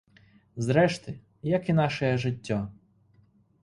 Зрэшты, як і нашае жыццё.